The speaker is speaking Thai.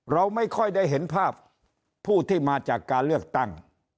เราไม่ค่อยได้เห็นภาพผู้ที่มาจากการเลือกตั้ง